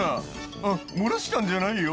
「あっ漏らしたんじゃないよ」